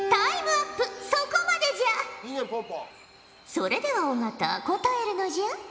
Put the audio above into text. それでは尾形答えるのじゃ。